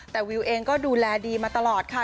แต่วิวเองก็ดูแลดีมาตลอดค่ะ